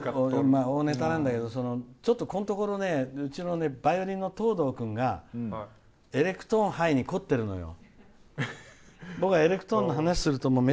大ネタなんだけどこのところうちのバイオリンの藤堂君がエレクトーンハイに込んでるのよ。